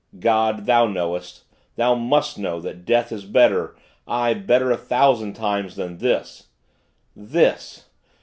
God, Thou knowest, Thou must know, that death is better, aye, better a thousand times than This. This!